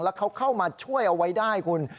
แล้วเขาเข้ามาช่วยเอาไว้ได้คุณ